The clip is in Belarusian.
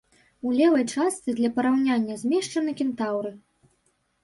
У левай частцы для параўнання змешчаны кентаўры.